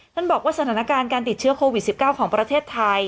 บอกว่าสถานการณ์การติดเชื้อโควิด๑๙ของประเทศไทย